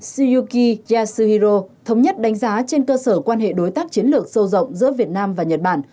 siyuki yashihiro thống nhất đánh giá trên cơ sở quan hệ đối tác chiến lược sâu rộng giữa việt nam và nhật bản